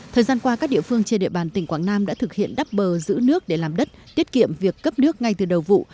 thời gian qua các địa phương trên địa bàn tỉnh quảng nam đã thực hiện đắp bờ giữ nước để làm đất tiết kiệm việc cấp nước ngay từ đầu vụ